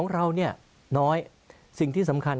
เรามี๑๘